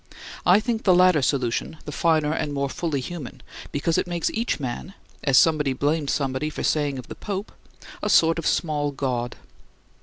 I think the latter solution the finer and more fully human, because it makes each man as somebody blamed somebody for saying of the Pope, a sort of small god.